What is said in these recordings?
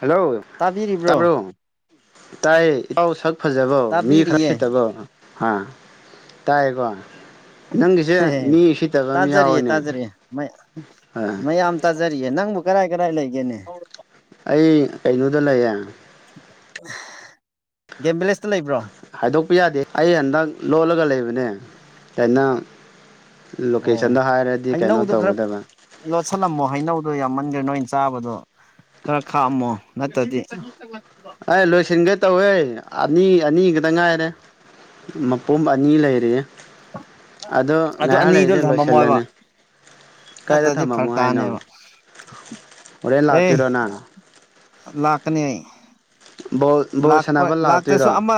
hello ꯇꯥꯕ꯭ꯔꯣ ꯇꯥꯕꯤꯔꯤꯕ꯭ꯔꯣ ꯇꯥꯏ ꯏꯇꯥꯎ ꯁꯛ ꯐꯖꯕꯣ ꯃꯤ ꯈꯔꯁꯤ ꯇꯥꯕꯤꯔꯤꯌꯦ ꯇꯒꯣ ꯍꯥ ꯇꯥꯌꯦ ꯀꯣ ꯅꯪꯒꯤꯁꯦ ꯃꯤ ꯁꯤꯠꯇꯕ ꯑꯝ ꯇꯥꯖꯔꯤꯌꯦ ꯌꯥꯎꯋꯦꯅꯦ ꯇꯥꯖꯔꯤꯌꯦ ꯑ ꯃꯌꯥꯝ ꯇꯥꯖꯔꯤꯌꯦ ꯅꯪꯕꯨ ꯀꯔꯥꯏ ꯀꯔꯥꯏ ꯂꯩꯒꯦꯅꯦ ꯑꯩ ꯀꯩꯅꯣꯗ ꯂꯩꯌꯦ ꯒꯦꯝꯕꯂꯦꯁ ꯍꯥꯏꯗꯣꯛꯄ ꯌꯥꯗꯦ ꯑꯩ ꯍꯟꯗꯛ ꯂꯣꯜꯂꯒ ꯂꯩꯕꯅꯦ ꯇꯥꯏꯅ ꯑꯣ ꯍꯩꯅꯧꯗꯣ ꯈꯔ ꯇꯧꯒꯗꯕ ꯂꯣꯠꯁꯜꯂꯝꯃꯣ ꯍꯩꯅꯧꯗꯣ ꯌꯥꯝꯃ ꯒꯔ꯭ꯦ ꯅꯣꯏꯟ ꯆꯥꯕꯗꯣ ꯈꯔ ꯈꯥꯛꯑꯝꯃꯣ ꯅꯠꯇ꯭ꯔꯗꯤ ꯑꯩ ꯂꯣꯏꯁꯤꯟꯒꯦ ꯇꯧꯋꯦ ꯑꯅꯤ ꯑꯅꯤꯒꯗ ꯉꯥꯏꯔꯦ ꯃꯄꯨꯝ ꯑꯅꯤ ꯂꯩꯔꯤ ꯑꯗꯣ ꯑꯗꯨ ꯉꯥꯏꯍꯥꯛ ꯑꯅꯤꯗꯣ ꯂꯩꯔꯗꯤ ꯊꯝꯃꯝꯃꯣꯕ ꯂꯣꯏꯁꯜꯂꯅꯤ ꯀꯥꯏꯗ ꯅꯠꯇ꯭ꯔꯗꯤ ꯊꯝꯃꯝꯃꯣ ꯐꯔꯛ ꯍꯥꯏꯅꯣ ꯇꯥꯅꯦꯕ ꯍꯣꯔꯦꯟ ꯑꯦ ꯂꯥꯛꯇꯨꯏꯔꯣ ꯅꯪ ꯂꯥꯛꯀꯅꯤ ꯑꯩ ꯕꯣꯜ ꯕꯣꯜ ꯂꯥꯛꯄ ꯁꯥꯟꯅꯕ ꯂꯥꯛꯇ꯭ꯔꯁꯨ ꯂꯥꯛꯇꯣꯏꯔꯣ ꯑꯃ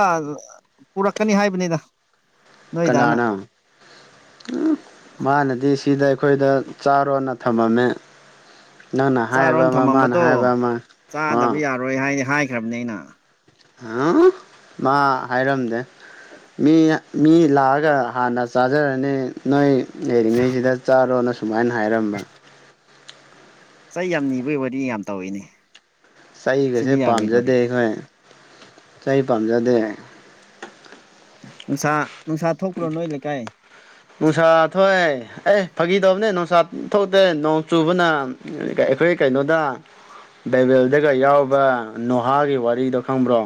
ꯄꯨꯔꯛꯀꯅꯤ ꯍꯥꯏꯕꯅꯦꯗ ꯀꯅꯥꯅ ꯃꯥꯅꯗꯤ ꯁꯤꯗ ꯈꯣꯏꯗ ꯆꯥꯔꯣꯟꯅ ꯊꯝꯃꯝꯃꯦ ꯅꯪꯅ ꯍꯥꯏꯕ ꯆꯥꯔꯣꯅ ꯑꯃ ꯃꯥꯅ ꯊꯝꯃꯝꯕꯗꯣ ꯍꯥꯏꯕ ꯑꯃ ꯑ ꯈ꯭ꯔꯕꯅꯦ ꯑꯩꯅ ꯑ ꯃꯥ ꯍꯥꯏꯔꯝꯗꯦ ꯃꯤ ꯃꯤ ꯂꯥꯛꯑꯒ ꯍꯥꯟꯅ ꯆꯥꯖꯔꯅꯤ ꯅꯣꯏ ꯂꯩꯔꯤꯉꯩꯁꯤꯗ ꯆꯥꯔꯣꯅ ꯁꯨꯃꯥꯏꯅ ꯍꯥꯏꯔꯝꯕ ꯆꯩ ꯌꯥꯝ ꯅꯤꯕꯩ ꯋꯥꯔꯤ ꯌꯥꯝ ꯇꯧꯏꯅꯦ ꯆꯩꯒꯁꯦ ꯄꯥꯝꯖꯗꯦ ꯑꯩꯈꯣꯏ ꯆꯩ ꯄꯥꯝꯖꯗꯦ ꯅꯨꯁꯥ ꯅꯨꯡꯁꯥ ꯊꯣꯛꯑꯦ ꯑꯦ ꯐꯥꯒꯤꯗꯧꯕꯅꯦ ꯅꯨꯡꯁꯥ ꯊꯣꯛꯇꯦ ꯅꯣꯡ ꯆꯨꯕꯅ ꯑꯩꯈꯣꯏ ꯀꯩꯅꯣꯗ ꯕꯥꯏꯕꯦꯜꯗꯒ ꯌꯥꯎꯕ ꯅꯣꯍꯥꯒꯤ ꯋꯥꯔꯤꯗꯣ ꯈꯪꯕ꯭ꯔꯣ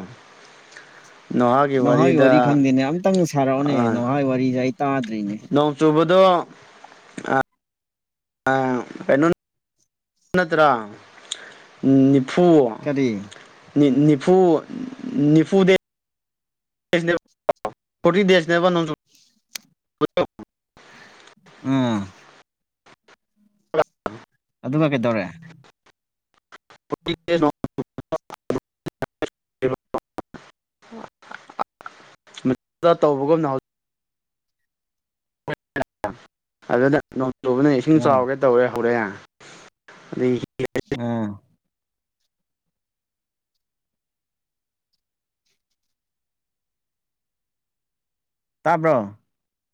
ꯅꯣꯍꯥꯒꯤ ꯋꯥꯔꯤ ꯈꯪꯗꯦꯅꯦ ꯑꯝꯇꯪ ꯁꯥꯔꯛꯑꯣꯅꯦ ꯑꯥ ꯅꯣꯍꯥ ꯋꯥꯔꯤꯁꯦ ꯑꯩ ꯇꯥꯗ꯭ꯔꯤꯅꯦ ꯅꯣꯡ ꯆꯨꯕꯗꯣ ꯑ ꯑ ꯀꯩꯅꯣ ꯅꯠꯇꯔꯣ ꯅꯤ ꯐꯨ ꯀꯔꯤ ꯅꯤꯐꯨ ꯅꯤꯐꯨꯗꯦ ꯄꯣꯔꯇꯤ ꯗꯦꯁꯅꯦꯕ ꯎꯝ ꯑꯗꯨꯒ ꯀꯩꯗꯧꯔꯦ [unintelligible] ꯃ ꯇꯧꯕꯒꯨꯝꯅ ꯍꯧ ꯑꯗꯨꯗ ꯅꯣꯡ ꯆꯨꯕꯅ ꯏꯁꯤꯡ ꯑꯥ ꯆꯥꯎꯒꯦ ꯇꯧꯔꯦ ꯍꯧꯔꯦ ꯑꯗꯩꯩ ꯍꯤ ꯑꯥ ꯇꯥꯕ꯭ꯔꯣ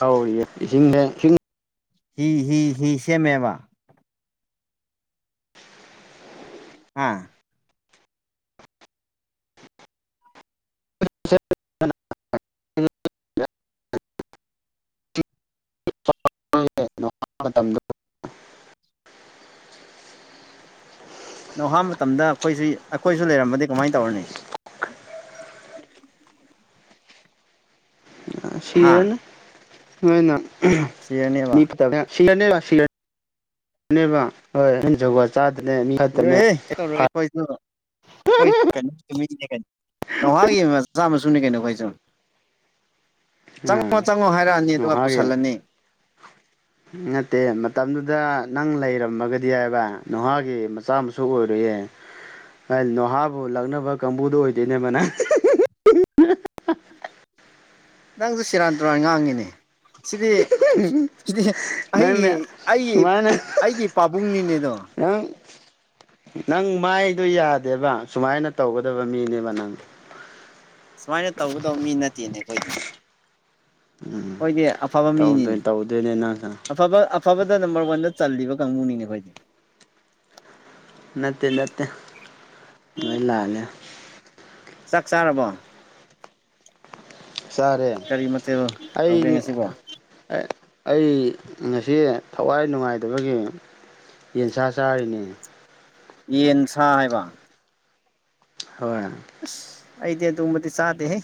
ꯑꯧ ꯏꯁꯤꯡꯅꯦ ꯏꯁꯤꯡ ꯍꯤ ꯍꯤ ꯍꯤ ꯁꯦꯃꯦ ꯕꯥ ꯍꯥꯥ [inaudible] [inaudible] ꯃꯇꯝꯗ [inaudible] ꯅ‌ꯣꯍꯥ ꯃꯇꯝꯗ ꯑꯩꯈꯣꯏꯁꯨ ꯑꯩꯈꯣꯏꯁꯨ ꯂꯩꯔꯝꯕꯗꯤ ꯀꯃꯥꯏ ꯇꯧꯅꯤ ꯑꯥ ꯍꯥ ꯁꯤꯔꯅꯤ ꯅ‌ꯣꯏꯅ ꯑꯝ ꯁꯤꯔꯅꯦꯕ ꯃꯤ ꯐꯠꯇꯕꯅꯤꯅ ꯁꯤꯔꯅꯦꯕ ꯁꯤꯔ [inaudible] ꯅ‌ꯦꯕ ꯍꯣꯏ [inaudible] ꯖꯨꯒ‌ꯣꯠ ꯔ‌ꯦꯍꯦ ꯀꯩ [inaudible] ꯑꯩꯈꯣꯏꯁꯨ ꯀꯩꯅꯣ [inaudible] ꯅꯣ ꯅ‌ꯣꯍꯥꯒꯤ ꯃꯆꯥ ꯃꯁꯨꯅꯤ ꯀꯩꯅꯣ ꯑꯩꯈꯣꯏꯁꯨ [inaudible] ꯆꯪꯉꯣ ꯑ ꯆꯪꯉꯣ ꯍꯥꯏꯔꯛꯑꯅꯤ ꯑꯗꯨꯒ ꯅ‌ꯣꯍꯥꯒꯤ ꯄꯨꯁꯜꯂꯅꯤ ꯅꯠꯇꯦ ꯃꯇꯝꯗꯨꯗ ꯅꯪ ꯂꯩꯔ ꯃꯒꯗꯤ ꯍꯥꯏꯕ ꯅ‌ꯣꯍꯥꯒꯤ ꯃꯆꯥ ꯃꯁꯨ ꯑꯣꯏꯔꯣꯏꯌꯦ ꯅ‌ꯣꯏ ꯅꯣꯍꯥꯕꯨ ꯂꯛꯅꯕ ꯀꯥꯡꯕꯨꯗ‌ꯣ ꯑꯣꯏꯗꯣꯏꯅꯦ ꯃꯥꯅ [unintelligible] ꯅꯪꯁꯨ ꯁꯤꯔꯥꯟ ꯇꯨꯔꯥꯟ ꯉꯥꯡꯉꯤꯅꯦ ꯁꯤꯗꯤ ꯁꯤꯗꯤ ꯑꯩꯒꯤ ꯅꯪꯅ ꯑꯩꯒꯤ ꯁꯨꯃꯥꯏꯅ ꯑꯩꯒꯤ ꯄꯥꯕꯨꯡꯅꯤꯅꯦꯗꯣ ꯅꯪ ꯅꯪ ꯃꯥꯏꯗꯣ ꯌꯥꯗꯦꯕ ꯁꯨꯃꯥꯏꯅ ꯇꯧꯒꯗꯕ ꯃꯤꯅꯦꯕ ꯅꯪ ꯁꯨꯃꯥꯏꯅ ꯇꯧꯒꯗꯧꯕ ꯃꯤ ꯅꯠꯇꯦꯅꯦ ꯑꯩꯈꯣꯏꯗ‌ [inaudible] ꯑꯈꯣꯏꯗꯤ ꯑꯐꯕ ꯃꯤꯅꯤꯅꯦ ꯇꯧꯗꯣꯏ ꯇꯧꯗꯣꯏꯅꯦ ꯅꯪꯁꯨ ꯑꯐꯕ ꯑꯐꯕꯗ ꯅꯝꯕꯔ ꯋꯥꯟꯗ ꯆꯜꯂꯤꯕ ꯀꯥꯡꯕꯨꯅꯤꯅꯦ ꯑꯩꯈꯣꯏꯗꯤ ꯅꯠꯇꯦ ꯅꯠꯇꯦ ꯂ‌ꯣꯏ ꯂꯥꯜꯂ‌ꯦ ꯆꯥꯛ ꯆꯥꯔꯕꯣ ꯆꯥꯔꯦ ꯀꯔꯤ ꯃꯊꯦꯜ ꯇꯧꯒꯦ ꯑꯩꯗꯤ ꯉꯁꯤꯕꯣ ꯑꯥ ꯑꯥ ꯑꯩ ꯉꯁꯤ ꯊꯋꯥꯏ ꯅꯨꯡꯉꯥꯏꯇꯕꯒꯤ ꯌꯦꯟꯁꯥ ꯆꯥꯔꯤꯅꯤ ꯌꯦꯟꯁꯥ ꯍꯥꯏꯕ ꯍꯣꯏ ꯑꯁ ꯑꯩꯗꯤ ꯑꯗꯨꯝꯕꯗꯤ ꯆꯥꯗꯦꯍ‌ꯦ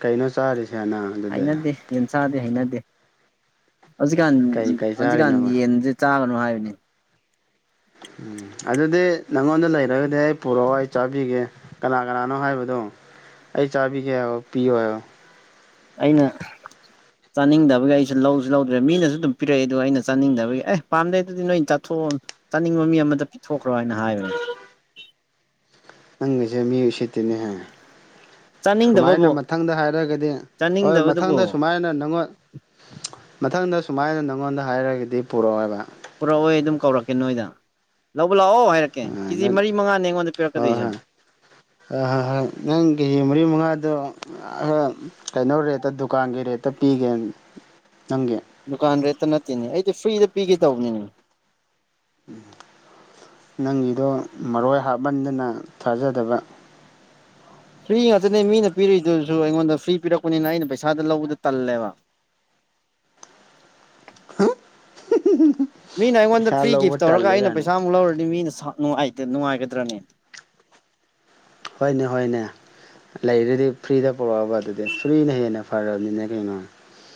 ꯀꯩꯅꯣ ꯆꯥꯔꯤꯁꯦ ꯅꯪ ꯑꯗꯨꯗꯤ ꯆꯥꯗ‌ꯦ ꯍꯩꯅꯗꯦ ꯍꯧꯖꯤꯛꯀꯥꯟ ꯀꯩ ꯀꯩ ꯍꯧꯖꯤꯛꯀꯥꯟ ꯆꯥꯔꯤꯅꯣꯕ ꯌꯦꯟꯁꯦ ꯆꯥꯒꯅꯨ ꯍꯥꯏꯕꯅꯤ ꯎꯝ ꯑꯗꯨꯗꯤ ꯅꯪꯉꯣꯟꯗ ꯂꯩꯔꯒꯗꯤ ꯑꯩ ꯄꯨꯔꯛꯑꯣ ꯑꯩ ꯆꯥꯕꯤꯒꯦ ꯀꯅꯥ ꯀꯅꯥꯅꯣ ꯍꯥꯏꯕꯗꯣ ꯗ‌ꯣ ꯑꯩ ꯆꯥꯕꯤꯒ‌ꯦ ꯌ‌ꯣ ꯄꯤꯌ‌ꯣ ꯍꯥꯏꯌ‌ꯣ ꯑꯩꯅ ꯆꯥꯅꯤꯡꯗꯕꯒꯤ ꯑꯩꯁꯨ ꯂꯧꯁꯨ ꯂꯧꯗ꯭ꯔꯦ ꯃꯤꯅꯁꯨ ꯑꯗꯨꯝ ꯄꯤꯔꯛꯏ ꯑꯗꯨꯒ ꯑꯩꯅ ꯆꯥꯅꯤꯡꯗꯕꯒꯤ ꯑꯦ ꯄꯥꯝꯗ‌ꯦ ꯗꯨꯗꯤ ꯅꯣꯏꯅ ꯆꯥꯊꯣꯛ ꯑꯣ ꯆꯥꯅꯤꯡꯕ ꯃꯤ ꯑꯃꯗ ꯄꯤꯊꯣꯛꯈ꯭ꯔꯣ ꯍꯥꯏꯅ ꯍꯥꯏꯕꯅꯦ ꯅꯪꯒꯤꯁꯦ ꯃꯤ ꯎꯁꯤꯠꯇ‌ꯦꯅꯦꯍ‌ꯦ ꯆꯥꯅꯤꯡꯗꯕꯕꯨ ꯁꯨꯃꯥꯏꯅ ꯃꯊꯪꯗ ꯍꯥꯏꯔꯒꯗꯤ ꯍꯣꯏ ꯆꯥꯅꯤꯡꯗꯕꯗꯨꯕꯨ ꯃꯊꯪꯗ ꯁꯨꯃꯥꯏꯅ ꯅꯪꯉ‌ꯣ ꯃꯊꯪꯗ ꯁꯨꯃꯥꯏꯅ ꯅꯪꯉꯣꯟꯗ ꯍꯥꯏꯔꯒꯗꯤ ꯄꯨꯔꯛꯑꯣꯕ ꯄꯨꯔꯛꯑꯣꯏ ꯑꯗꯨꯝ ꯀꯧꯔꯛꯀꯦ ꯅꯣꯏꯗ ꯂꯧ ꯕ ꯂꯥꯛꯑꯣ ꯍꯥꯏꯔꯛꯀꯦ ꯑꯥ ꯀꯦꯖꯤ ꯅꯪ ꯃꯔꯤ ꯃꯉꯥꯅꯤ ꯑꯩꯉꯣꯟꯗ ꯄꯤꯔꯛꯀꯗꯣꯏꯁꯤ ꯑ ꯍꯣꯏ ꯍꯣꯏ ꯅꯪꯒꯤ ꯀꯦꯖꯤ ꯃꯔꯤ ꯃꯉꯥꯗꯣ ꯑꯥ ꯑ ꯀꯩꯅꯣ ꯔꯦꯠꯇ ꯗꯨꯀꯥꯟꯒꯤ ꯔꯦꯠꯇ ꯄꯤꯒꯦꯅ‌ꯦ ꯗꯨꯀꯥꯟ ꯔꯦꯠꯇ ꯅꯠꯇꯦꯅꯦ ꯑꯩꯗꯤ ꯐ꯭ꯔꯤꯗ ꯄꯤꯒꯦ ꯇꯧꯕꯅꯤꯅꯦ ꯎꯝ ꯅꯪꯒꯤꯗꯣ ꯃꯔꯣꯏ ꯍꯥꯞꯃꯟꯗꯅ ꯊꯥꯖꯗꯕ ꯐ꯭ꯔꯤ ꯉꯥꯛꯇꯅꯦ ꯃꯤꯅ ꯄꯤꯔꯛꯏꯗꯨꯁꯨ ꯑꯩꯉꯣꯟꯗ ꯐ꯭ꯔꯤ ꯄꯤꯔꯛꯄꯅꯤꯅ ꯑꯩꯅ ꯄꯩꯁꯥꯗ ꯂꯧꯕꯗ‌ꯣ ꯇꯜꯂꯦꯕ ꯍꯥ ꯃꯤꯅ ꯑꯩꯉꯣꯟꯗ ꯐ꯭ꯔꯤ ꯂꯧꯕ ꯒꯤꯐ ꯇꯧꯔꯒ ꯇꯜꯂꯦ ꯑꯩꯅ ꯀꯥꯏꯅ ꯄꯩꯁꯥꯃꯨꯛ ꯂꯧꯔꯗꯤ ꯃꯤꯅ ꯁꯥꯎ ꯅꯨꯡꯉꯥꯏꯇ‌ ꯅꯨꯡꯉꯥꯏꯒꯗ꯭ꯔꯅꯦ ꯍꯣꯏꯅꯦ ꯍꯣꯏꯅꯦ ꯂꯩꯔꯗꯤ ꯐ꯭ꯔꯤꯗ ꯄꯨꯔꯛꯑ‌ꯣꯕ ꯑꯗꯨꯗꯤ ꯐ꯭ꯔꯤꯅ ꯍꯦꯟꯅ ꯐꯔꯕꯅꯤꯅ‌ꯦ ꯀꯩꯅꯣ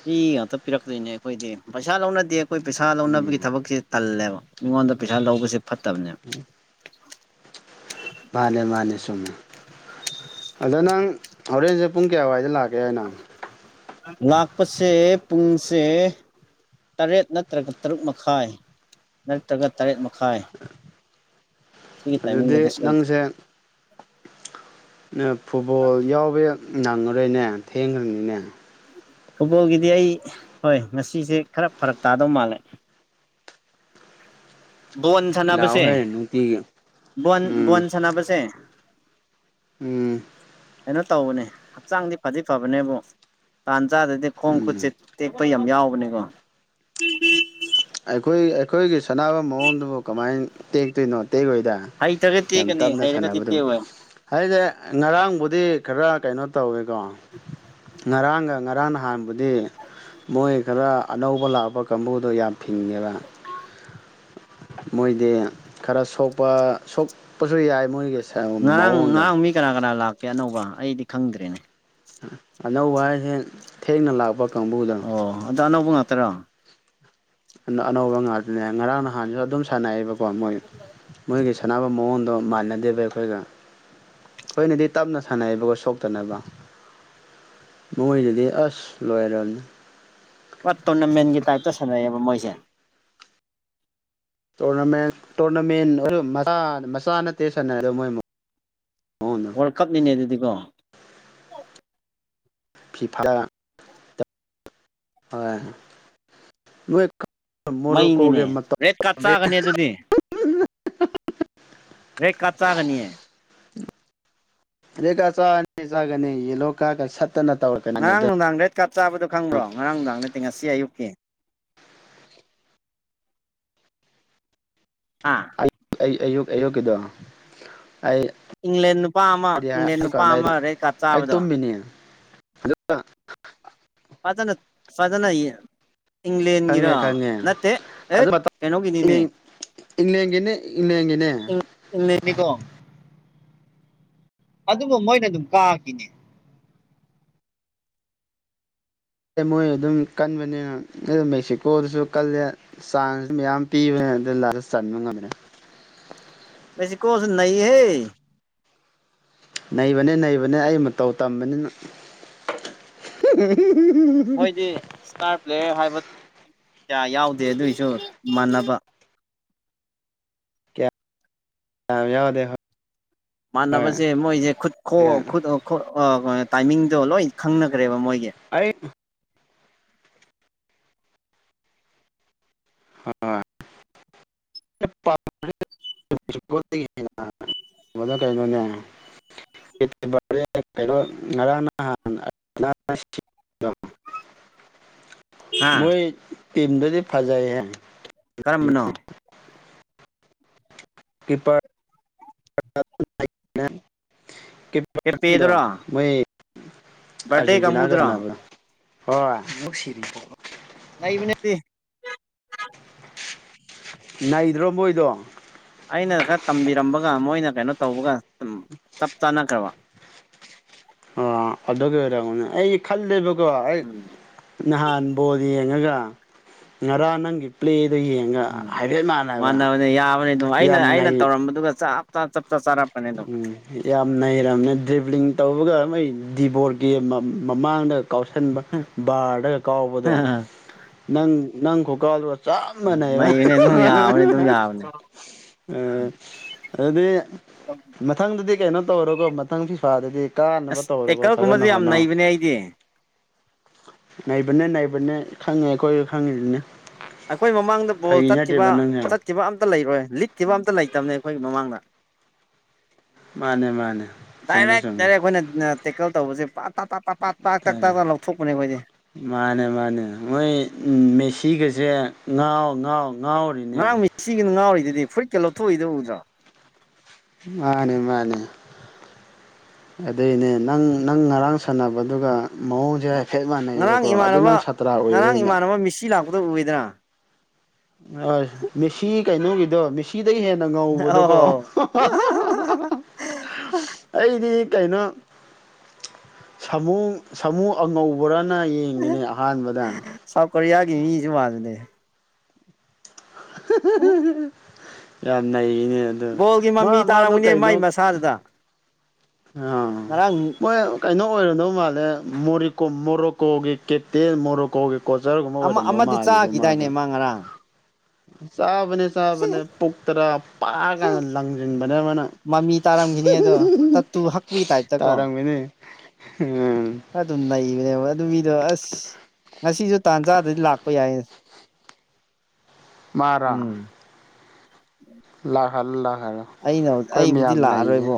ꯐꯔꯤ ꯉꯥꯛꯇꯅ‌ꯦ ꯄꯤꯔꯛꯇꯣꯏꯅꯦ ꯑꯩꯈꯣꯏꯗꯤ ꯄꯩꯁꯥ ꯂꯧꯅꯗꯦ ꯑꯩꯈꯣꯏ ꯄꯩꯁꯥ ꯂꯧꯅꯕꯒꯤ ꯎꯝ ꯊꯕꯛꯁꯦ ꯇꯜꯂꯦꯕ ꯃꯤꯉꯣꯟꯗ ꯄꯩꯁꯥ ꯂꯧꯕꯁꯦ ꯐꯠꯇꯕꯅꯦ ꯐꯅꯦ ꯃꯥꯅꯤꯅꯦ ꯁꯃꯦꯃꯦ ꯑꯗ ꯅꯪ ꯍꯣꯔꯦꯟꯁꯦ ꯄꯨꯡ ꯀꯌꯥꯋꯥꯏꯗ ꯂꯥꯛꯀꯦ ꯍꯥꯏꯅꯣ ꯂꯥꯛꯄꯁꯦ ꯄꯨꯡꯁꯦ ꯇꯔꯦꯠ ꯅꯠꯇ꯭ꯔꯒ ꯇꯔꯨꯛ ꯃꯈꯥꯏ ꯅꯠꯇ꯭ꯔꯒ ꯇꯔꯦꯠ ꯃꯈꯥꯏ ꯁꯤꯒꯤ ꯑꯗꯨꯗꯤ ꯇꯥꯏꯃꯤꯡꯗꯗꯤ ꯁꯣꯏꯗꯦ ꯅꯪꯁꯦ ꯐꯨꯠꯕꯣꯜ ꯌꯥꯎꯕ ꯅꯪꯉꯔꯣꯏꯅꯦ ꯊꯦꯡꯈ꯭ꯔꯅꯤꯅꯦ ꯐꯨꯠꯕꯣꯜꯒꯤꯗꯤ ꯑꯩ ꯍꯣꯏ ꯉꯁꯤꯁꯦ ꯈꯔ ꯐꯔꯛ ꯇꯥꯗꯧ ꯃꯥꯜꯂꯦ ꯕꯣꯟ ꯁꯥꯟꯅꯕꯁꯦ ꯂꯥꯛꯑꯣꯍꯦ ꯅꯨꯡꯇꯤꯒꯤ ꯣꯟ ꯎꯝ ꯕꯣꯟ ꯁꯥꯟꯅꯕꯁꯦ ꯎꯝ ꯀꯩꯅꯣ ꯇꯧꯕꯅꯦ ꯍꯛꯆꯥꯡꯗꯤ ꯐꯗꯤ ꯐꯕꯅꯦꯕꯨ ꯆꯥꯗꯗꯤ ꯈꯣꯡ ꯎꯝ ꯈꯨꯠꯁꯦ ꯇꯦꯛꯄ ꯌꯥꯝ ꯌꯥꯎꯕꯅꯦꯀꯣ ꯑꯩꯈꯣꯏ ꯑꯩꯈꯣꯏꯒꯤ ꯁꯥꯟꯅꯕ ꯃꯑꯣꯡꯗꯨꯕꯨ ꯀꯃꯥꯏꯅ ꯇꯦꯛꯇꯣꯏꯅꯣ ꯑꯇꯩꯈꯣꯏꯗ ꯍꯩꯇ꯭ꯔꯒ ꯌꯥꯝ ꯇꯦꯛꯀꯅꯤ ꯇꯞꯅ ꯍꯩꯔꯒꯗꯤ ꯁꯥꯟꯅꯕꯗꯨꯝ ꯇꯦꯛꯑꯣꯏ ꯍꯥꯏꯗꯤꯦ ꯉꯔꯥꯡꯕꯨꯗꯤ ꯈꯔ ꯀꯩꯅꯣ ꯇꯧꯋꯦꯀꯣ ꯉꯔꯥꯡꯒ ꯉꯔꯥꯡ ꯅꯍꯥꯟꯕꯗꯤ ꯃꯣꯏ ꯈꯔ ꯑꯅꯧꯕ ꯂꯥꯛꯄ ꯀꯥꯡꯕꯨꯗꯣ ꯌꯥꯝ ꯊꯤꯡꯉꯕ ꯃꯣꯏꯗꯤ ꯈꯔ ꯁꯣꯛꯄ ꯁꯣꯛꯄꯁꯨ ꯌꯥꯏ ꯃꯣꯏꯒꯤ ꯉꯔꯥꯡ ꯃꯑꯣꯡꯗꯣ ꯉꯔꯥꯡ ꯃꯤ ꯀꯅꯥ ꯀꯅꯥ ꯂꯥꯛꯀꯦ ꯑꯅꯧꯕ ꯑꯩꯗꯤ ꯈꯪꯗ꯭ꯔꯦꯅꯦ ꯑꯅꯧꯕ ꯍꯥꯏꯁ ꯊꯦꯡꯅ ꯂꯥꯛꯄ ꯀꯥꯡꯕꯨꯗꯅ ꯍꯗꯥ ꯑꯅꯧꯕ ꯉꯥꯛꯇꯔꯥ ꯑꯅꯧꯕ ꯉꯥꯛꯇꯅꯦ ꯉꯔꯥꯡ ꯅꯍꯥꯟꯁꯨ ꯑꯗꯨꯝ ꯁꯥꯟꯅꯩꯌꯦꯕꯀꯣ ꯃꯣꯏ ꯃꯣꯏꯒꯤ ꯁꯥꯟꯅꯕ ꯃꯑꯣꯡꯗꯣ ꯃꯥꯟꯅꯗꯦꯕ ꯑꯩꯈꯣꯏꯒ ꯑꯩꯈꯣꯏꯅꯗꯤ ꯇꯞꯅ ꯁꯥꯟꯅꯩꯕꯀꯣ ꯁꯣꯛꯇꯅꯕ ꯃꯣꯏꯗꯗꯤ ꯑꯁ ꯂꯣꯏꯔꯕꯅꯤ ꯍꯣꯏ ꯇꯣꯔꯅꯥꯃꯦꯟꯒꯤ ꯇꯥꯏꯞꯇ ꯁꯥꯟꯅꯩꯑꯌꯦꯕ ꯃꯣꯏꯁꯦ ꯃꯦꯟ ꯇꯣꯔꯅꯥꯃꯦꯟ ꯃꯆꯥ ꯅꯠꯇꯦ ꯁꯥꯟꯅꯔꯗ ꯃꯣꯏꯛ ꯋꯥꯔꯜ ꯀꯞꯅꯤꯅꯦ ꯑꯗꯨꯗꯤꯀꯣ ꯐꯤꯐꯥ ꯑ ꯃꯣꯏ ꯃꯣꯔꯣ ꯀꯦ ꯃꯩꯅꯤꯅꯦ ꯃ ꯔꯦꯠ ꯀꯥꯔꯗ ꯆꯥꯒꯅꯤ ꯑꯗꯨꯗꯤ ꯔ ꯀꯥꯇꯥꯒꯅꯤꯌꯦ ꯔꯦꯀꯥ ꯆꯥꯅꯤ ꯆꯒꯅꯦ ꯌꯦ ꯂꯣꯀ ꯀ ꯁꯠ ꯉꯔꯥꯡ ꯅꯨꯡꯗꯥꯡ ꯔꯦꯠ ꯀꯥꯠ ꯆꯥꯕꯗꯣ ꯈꯪ꯭ꯔꯣ ꯉꯔꯥꯡꯅꯨꯡꯗꯥꯡꯗ ꯇꯤꯡꯉ ꯁꯤ ꯌꯨꯀꯤꯦ ꯑꯥ ꯑꯩ ꯑꯌꯨꯛ ꯑꯌꯨꯛꯀꯤꯗ ꯑꯩ ꯏꯪꯂꯦꯟ ꯅꯨꯄꯥ ꯑꯃ ꯏꯪꯂꯦꯟ ꯍꯥꯏ ꯅꯨꯄꯥ ꯀꯥꯟꯗ ꯑꯩꯅ ꯑꯃ ꯔꯦꯠ ꯀꯥꯔꯠ ꯑꯩ ꯆꯥꯕꯗꯣ ꯇꯨꯝꯃꯤꯅꯤ ꯑꯗ ꯐꯖꯅ ꯐꯖꯅ ꯏꯪꯂꯦꯟꯒꯤꯔꯥ ꯈꯪꯉꯦ ꯈꯪꯉꯦ ꯅꯠꯇꯦ ꯑꯦꯠ ꯀꯩꯅꯣꯒꯤꯅꯤꯅꯦ ꯏꯟꯅꯒꯦꯅꯦ ꯏꯟꯅꯒꯦꯅꯦ ꯅꯤꯄꯣ ꯑꯗꯨꯕꯨ ꯃꯣꯏꯅ ꯑꯗꯨꯝ ꯀꯥꯈꯤꯅꯤ ꯑ ꯃꯣꯏ ꯑꯗꯨꯝ ꯀꯟꯕꯅꯤꯅ ꯑ ꯃꯦꯛꯁꯤꯀꯣꯗꯁꯨ ꯀꯜꯂꯦ ꯆꯥꯟꯁꯁꯨ ꯃꯌꯥꯝ ꯄꯤꯕꯅꯤꯅ ꯂ ꯁꯟꯃ ꯉꯃꯤꯔ ꯦꯁꯤ ꯀꯣꯁꯨ ꯅꯍꯦ ꯅꯩꯕꯅꯦ ꯅꯩꯕꯅꯦ ꯑꯩ ꯃꯇꯧ ꯇꯝꯕꯅꯤꯅ ꯃꯣꯏꯗꯤ ꯏꯁꯇꯥꯔ ꯄ꯭ꯂꯦꯌꯔ ꯍꯥꯏꯕ ꯀꯌꯥ ꯌꯥꯎꯗꯦ ꯑꯗꯨꯏꯁꯨ ꯃꯥꯟꯅꯕ ꯇ ꯌꯥꯎꯗꯦ ꯍꯣꯏ ꯃꯥꯟꯅꯕꯁꯦ ꯃꯣꯏꯁꯦ ꯈꯨꯠ ꯈꯨꯠ ꯇꯥꯏꯃꯤꯡꯗꯣ ꯂꯣꯏ ꯈꯪꯅꯈ꯭ꯔꯦꯕ ꯃꯣꯏꯒꯤ ꯑꯩ ꯍꯣꯏ ꯅ ꯀꯩꯅꯣꯅꯦ ꯔꯅꯍ ꯍꯥ ꯃꯣꯏ ꯇꯤꯝꯗꯨꯗꯤ ꯐꯖꯥꯏꯍꯦ ꯀꯔꯝꯕꯅꯣ ꯒꯤ ꯄ ꯗꯣ ꯄꯦꯄꯦꯗꯨꯔꯣ ꯃꯣꯏ ꯕꯥꯔꯗꯦ ꯀꯥꯡꯕꯨꯗꯨꯔꯣ ꯑꯔꯖꯦꯟꯇꯤꯅꯥꯒꯅꯕ ꯍꯨ ꯁꯤꯔꯤ ꯀꯅꯦꯗꯤ ꯅꯩꯗ꯭ꯔꯣ ꯃꯣꯏꯗꯣ ꯑꯩꯅ ꯈꯔ ꯇꯝꯕꯤꯔꯝꯕꯒ ꯃꯣꯏꯅ ꯀꯩꯅꯣ ꯇꯧꯕꯒ ꯆꯞ ꯆꯥꯅꯈ꯭ꯔꯦꯕ ꯑ ꯑꯗꯨꯒꯤ ꯑꯣꯏꯔꯅꯦ ꯑꯩ ꯈꯜꯂꯦꯕꯀꯣ ꯑꯩ ꯎꯝ ꯅꯍꯥꯟ ꯕꯣꯔꯤ ꯉꯒ ꯉꯔꯥꯡ ꯅꯪꯒꯤ ꯄ꯭ꯂ ꯑꯗꯨ ꯌꯦꯡꯉ ꯎꯝ ꯍꯥꯏꯐꯦꯠ ꯃꯥꯟꯅꯕ ꯃꯥꯟꯅꯕꯅꯦ ꯌꯥꯕꯅꯦ ꯑꯗꯨꯝ ꯑꯩꯅ ꯑꯩꯅ ꯌꯥꯝꯅꯩ ꯇꯧꯔꯝꯕꯗꯨꯒ ꯆꯞ ꯆꯥ ꯆꯞ ꯆꯥ ꯆꯥꯔꯛꯄꯅꯦ ꯑꯗꯨꯝ ꯎꯝ ꯌꯥꯝ ꯌꯥꯝ ꯅꯔꯝꯅ ꯗ꯭ꯚꯂꯤꯡ ꯇꯧꯕꯒ ꯃꯣꯏ ꯗꯤꯕꯣꯔꯒꯤ ꯃꯃꯥꯡꯗ ꯀꯥꯎꯁꯟꯕ ꯕꯥꯔꯗꯒ ꯀꯥꯎꯕꯗꯣ ꯅꯪ ꯅꯪ ꯈ ꯀꯥꯎꯗꯣ ꯆ ꯃꯅꯕ ꯅꯩꯕꯅꯦ ꯑꯗꯨꯝ ꯌꯥꯕꯅꯦ ꯑꯗꯨꯝ ꯌꯥꯕꯅꯦ ꯎꯝ ꯑꯗꯨꯗꯤ ꯃꯊꯪꯗꯗꯤ ꯀꯩꯅꯣ ꯇꯧꯔꯣꯀꯣ ꯃꯊꯪ ꯐꯤꯐꯥꯗꯗꯤ ꯀꯥꯟꯅꯕ ꯑꯁ ꯇꯧꯔꯔꯕ ꯐꯖꯅ ꯇꯦꯛꯀꯜꯒꯨꯝꯕꯁꯦ ꯌꯥꯝ ꯍꯣꯠꯅꯧ ꯅꯩꯕꯅꯦ ꯑꯩꯗꯤ ꯅꯕꯅꯦ ꯅꯩꯕꯅꯦ ꯈꯪꯉꯦ ꯑꯩꯈꯣꯏ ꯈꯪꯉꯤꯗꯨꯅꯦ ꯑꯩꯈꯣꯏ ꯃꯃꯥꯡꯗ ꯕꯣꯜ ꯆꯠꯈꯤꯕ ꯅꯪꯁꯦ ꯆꯠꯈꯤꯕ ꯑꯝꯇ ꯂꯩꯔꯣꯏ ꯂꯤꯠꯈꯤꯕ ꯑꯝꯇ ꯂꯩꯇꯕꯅꯦ ꯑꯩꯈꯣꯏꯒꯤ ꯃꯃꯥꯡꯗ ꯃꯥꯅꯦ ꯃꯥꯅꯦ ꯆꯨꯝꯃꯦ ꯗꯥꯏꯔꯦꯛ ꯆꯨꯝꯃꯦ ꯗꯥꯏꯔꯦꯛ ꯑꯩꯈꯣꯏꯅ ꯀ ꯇꯧꯕꯁꯦ ꯄꯥꯛ ꯇ ꯇ ꯇꯥꯠ ꯄꯥꯛ ꯇꯛ ꯇꯥꯛ ꯇꯛ ꯂꯧꯊꯣꯛꯄꯅꯦ ꯑꯩ ꯃꯥꯅꯦ ꯃꯥꯅꯦ ꯃꯣꯏ ꯃꯦꯁꯤꯒꯁꯦ ꯉꯥꯎ ꯉꯥꯎ ꯉꯥꯎꯔꯤꯅꯦ ꯉꯥꯡꯃꯤ ꯁꯤꯒꯤꯅ ꯉꯥꯡꯔꯤꯗꯗꯤ ꯐꯨꯔꯤꯠꯀꯩ ꯂꯧꯊꯣꯛꯏꯗ ꯎꯗ꯭ꯔꯥ ꯃꯥꯅꯦ ꯃꯥꯅꯦ ꯑꯗꯨꯏꯅꯦ ꯅꯪ ꯅꯪ ꯉꯔꯥꯡ ꯁꯥꯟꯅꯕꯗꯨꯒ ꯃꯑꯣꯡꯁꯦ ꯍꯥꯏꯐꯦꯠ ꯉꯔꯥꯡ ꯃꯥꯟꯅꯩꯕꯀꯣ ꯑꯗꯨ ꯅꯪ ꯏꯃꯥꯟꯅꯕ ꯁꯥꯇ꯭ꯔꯥ ꯉꯔꯥꯡ ꯑꯣꯏꯕꯣꯏꯅꯦ ꯏꯃꯥꯟꯅꯕ ꯃꯤꯁꯤ ꯂꯥꯛꯄꯗ ꯎꯏꯗꯅ ꯑ ꯃꯦꯁꯤ ꯀꯩꯅꯣꯒꯤꯗꯣ ꯃꯦꯁꯤ ꯗꯒꯤ ꯍꯦꯟꯅ ꯉꯧꯕꯗꯣꯀꯣ ꯑꯧ ꯑꯩꯗꯤ ꯑꯩꯅ ꯁꯥꯃꯨ ꯁꯥꯃꯨ ꯑꯉꯧꯕ꯭ꯔꯅ ꯌꯦꯌꯦ ꯏ ꯉꯅꯦ ꯑꯍꯥꯟꯕꯥꯟꯕꯗ ꯆ ꯃꯥꯗꯦ ꯌꯥꯅ ꯑꯦ ꯑꯗꯨ ꯕꯣꯜꯒꯤ ꯃꯥ ꯃꯃꯤ ꯃꯥꯗꯣ ꯇꯥꯔꯝꯒꯅꯦ ꯀꯩꯅꯣ ꯃꯥꯏ ꯃꯁꯥꯗꯨꯗ ꯑ ꯉꯔꯥꯡ ꯃꯣꯏ ꯀꯩꯅꯣ ꯑꯣꯏꯔꯗꯧ ꯃꯥꯜꯂꯦ ꯃꯣꯔꯦꯀꯣ ꯃꯣꯔꯣꯀꯣꯒꯤ ꯀꯦꯞꯇꯦꯟ ꯃꯣꯔꯣꯀꯣꯒꯤ ꯀꯣꯆꯔꯒꯨꯝꯕ ꯑꯃ ꯑꯣꯏꯔꯝꯗꯧ ꯑꯃꯗꯤ ꯃꯥꯜꯂꯤꯕ ꯃꯥꯗꯣ ꯆꯥꯈꯤꯗꯥꯏꯅꯦ ꯃꯥ ꯉꯔꯥꯡ ꯆꯥꯕꯅꯦ ꯆꯥꯕꯅꯦ ꯄꯨꯛꯇꯔꯥ ꯄꯥꯛ ꯀꯥꯟꯗ ꯂꯪꯁꯤꯟꯕꯅꯦ ꯑꯃꯅ ꯃꯃꯤ ꯇꯥꯔꯝꯈꯤꯅꯤ ꯑꯗꯣ ꯇꯠꯇꯨ ꯍꯛꯄꯤ ꯇꯥꯏꯞꯇ ꯀꯣ ꯇꯥꯔꯝꯒꯅꯤ ꯎꯝ [inaudible] ꯅꯦꯕ ꯑꯗꯨ ꯃꯤꯗꯣ ꯑꯁ ꯉꯁꯤꯁꯨ ꯇꯥꯟꯖꯥꯗꯗꯤ ꯂꯥꯛꯄ ꯌꯥꯏ ꯃ [unintelligible] [inaudible] ꯎꯝ ꯂꯥꯛꯍꯜꯂꯣ ꯂꯥꯛꯍꯜꯂꯣ ꯑꯩꯅ ꯑꯩꯈꯣꯏ ꯑꯩꯕꯨꯗꯤ ꯃꯌꯥꯝ ꯅꯒꯦ ꯂꯥꯛꯑꯔꯣꯏꯕꯣ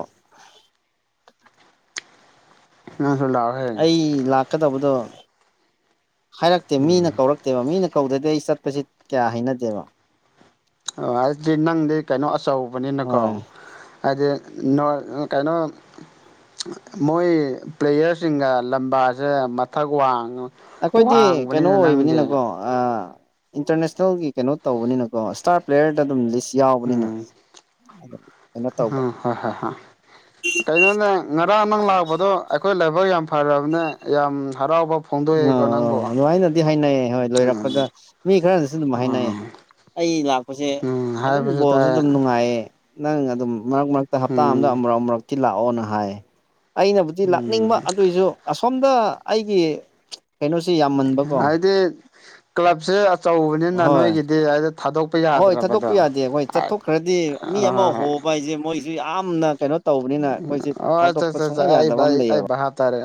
ꯅꯪꯁꯨ ꯂꯥꯛꯑꯣꯍꯦ ꯑꯩ ꯂꯥꯛꯀꯗꯕꯗꯣ ꯍꯥꯏꯔꯛꯇꯦ ꯃꯤꯅ ꯀꯧꯔꯛꯇꯦꯕ ꯃꯤꯅ ꯀꯧꯗꯗꯤ ꯑꯩ ꯆꯠꯄꯁꯤ ꯀꯌꯥ ꯍꯩꯅꯗꯦꯕ ꯑꯣ ꯑꯗꯨꯗꯤ ꯅꯪꯗꯤ ꯀꯩꯅꯣ ꯑꯆꯧꯕꯅꯤꯅꯀꯣ ꯍꯣꯏ ꯍꯥꯏꯗꯤ ꯅ ꯀꯥꯏꯩꯅꯣ ꯃꯣꯏ ꯄ꯭ꯂꯦꯌꯔꯁꯤꯡꯒ ꯂꯝꯕꯥꯁꯦ ꯃꯊꯛ ꯋꯥꯡ ꯑꯩꯈꯣꯏꯗꯤ ꯀꯩꯅꯣ ꯑꯣꯏꯕꯅꯤꯅꯀꯣ ꯏꯟꯇꯔꯅꯦꯁꯅꯦꯜꯒꯤ ꯀꯩꯅꯣ ꯇꯧꯕꯅꯤꯅꯀꯣ ꯏꯁꯇꯥꯔ ꯄ꯭ꯂꯦꯌꯔꯗ ꯑꯗꯨꯝ ꯂꯤꯁ ꯌꯥꯎꯕꯅꯤꯅ ꯎꯝ ꯀꯩꯅꯣ ꯇꯧꯕ ꯎꯝ ꯍꯣꯏ ꯍꯣꯏ ꯍꯣꯏ ꯀꯩꯒꯤꯩꯅꯣꯅꯦ ꯉꯔꯥꯡ ꯅꯪ ꯂꯥꯛꯄꯗꯣ ꯑꯩꯈꯣꯏ ꯂꯥꯏꯕꯔ ꯌꯥꯝ ꯐꯔꯕꯅꯦ ꯌꯥꯝ ꯍꯔꯥꯎꯕ ꯑ ꯐꯣꯡꯗꯣꯛꯑꯦꯀꯣ ꯅꯪꯕꯨ ꯑꯗꯨꯃꯅꯗꯤ ꯍꯥꯏꯅꯩꯌꯦ ꯍꯣꯏ ꯂꯣꯏꯔꯛꯄꯗ ꯎꯝ ꯃꯤ ꯈꯔꯅꯁꯨ ꯑꯗꯨꯝ ꯍꯥꯏꯅꯩꯌꯦ ꯎꯝ ꯑꯩ ꯂꯥꯛ ꯑꯩꯈꯣꯏꯁꯦ ꯎꯝ ꯑꯗꯨꯝ ꯍꯥꯏꯕꯁꯨ ꯕꯣꯜꯁꯨ ꯇꯥꯏ ꯑꯗꯨꯝ ꯅꯨꯡꯉꯥꯏꯌꯦ ꯅꯪ ꯑꯗꯨꯝ ꯃꯔꯛ ꯃꯔꯛꯇ ꯍꯞꯇꯥ ꯑꯗ ꯎꯝ ꯑꯃꯨꯔꯛ ꯑꯃꯨꯔꯛꯇ ꯇꯤ ꯂꯥꯛꯑꯣꯅ ꯍꯥꯏ ꯑꯩꯅꯕꯨꯗꯤ ꯂꯥꯛꯅꯤꯡꯕ ꯎꯝ ꯑꯗꯨꯏꯁꯨ ꯑꯁꯣꯝꯗ ꯑꯩꯒꯤ ꯀꯩꯅ ꯍꯥꯏꯗꯤ ꯀ꯭ꯂꯕꯁꯦ ꯑꯆꯧꯕꯅꯤꯅ ꯅꯣꯏꯒꯤꯗꯤ ꯍꯥꯏꯗꯤ ꯊꯥꯗꯣꯛꯄ ꯌꯥꯗ꯭ꯔꯕ ꯆꯠꯠꯇꯣꯛꯄ ꯌꯥꯗꯦ ꯑꯩꯈꯣꯏ ꯆꯠꯊꯣꯛꯈ꯭ꯔꯗꯤ ꯃꯤ ꯑꯃ ꯍꯣꯏ ꯍꯣꯏ ꯍꯣꯕ ꯍꯥꯏꯁꯦ ꯃꯣꯏꯁꯨ ꯌꯥꯝꯅ ꯀꯩꯅꯣ ꯇꯧꯕꯅꯤꯅ ꯑꯩꯈꯣꯏ ꯑꯣ ꯑꯠꯆꯥ ꯊꯥꯗꯣꯛꯄ ꯑꯠꯆꯥ ꯁꯨꯡꯌꯥ ꯑꯩ ꯌꯥꯗꯕ ꯑꯃ ꯑꯩ ꯂꯩꯌꯦꯕ ꯚꯥꯞ ꯇꯥꯔꯦ